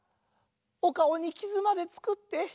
おかおにきずまでつくって。